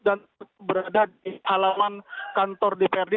dan berada di halaman kantor dprd